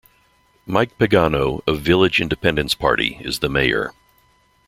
Mike Pagano of Village Independence Party is the mayor.